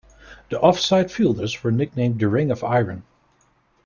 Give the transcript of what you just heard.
The off side fielders were nicknamed the "ring of iron".